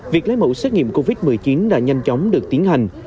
việc lấy mẫu xét nghiệm covid một mươi chín đã nhanh chóng được tiến hành